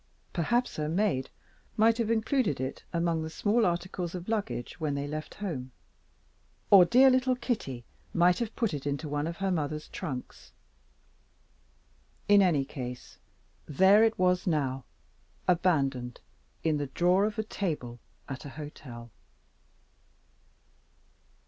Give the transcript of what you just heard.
Perhaps her maid might have included it among the small articles of luggage when they left home, or dear little Kitty might have put it into one of her mother's trunks. In any case, there it was now, abandoned in the drawer of a table at a hotel.